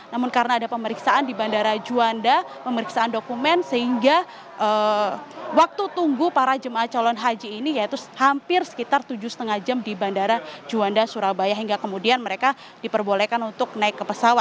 namun karena ada pemeriksaan di bandara juanda pemeriksaan dokumen sehingga waktu tunggu para jemaah calon haji ini yaitu hampir sekitar tujuh lima jam di bandara juanda surabaya hingga kemudian mereka diperbolehkan untuk naik ke pesawat